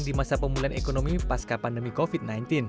di masa pemulihan ekonomi pasca pandemi covid sembilan belas